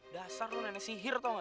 dasar lu nenek sihir tau gak